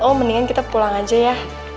oh mendingan kita pulang aja ya